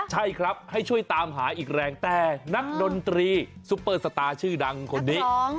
ใช่ครับให้ช่วยตามหาอีกแรงแต่นักดนตรีซุปเปอร์สตาร์ชื่อดังคนนี้